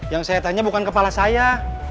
yang saya tanya bukan kepala saya